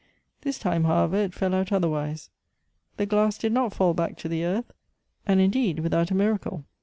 This time, however, it fell out otherwise. The glass did not fall back to the earth and indeed without a miracle.